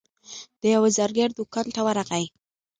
د یوه زرګر دوکان ته ورغی.